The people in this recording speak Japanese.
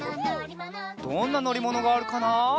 どんなのりものがあるかな？